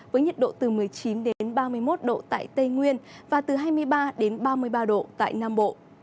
với nhiệt độ từ một mươi chín đến ba mươi một độ tại tây nguyên và từ hai mươi ba đến ba mươi ba độ tại nam bộ